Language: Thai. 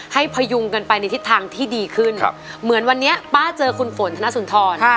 พยุงกันไปในทิศทางที่ดีขึ้นเหมือนวันนี้ป้าเจอคุณฝนธนสุนทร